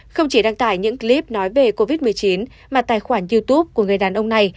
không chỉ đăng tải những clip nói về covid một mươi chín mà tài khoản youtube của người đàn ông này